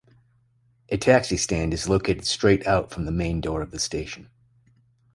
A taxi stand is located straight out from the main door of the station.